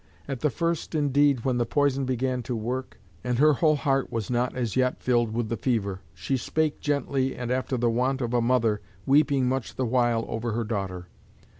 At the first indeed, when the poison began to work, and her whole heart was not as yet filled with the fever, she spake gently and after the wont of a mother, weeping much the while over her daughter.